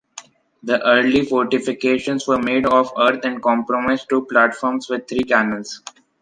The early fortifications were made of earth and comprised two platforms with three canons.